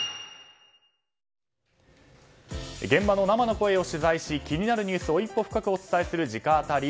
現場の生の声を取材し気になるニュースを一歩深くお伝えする直アタリ。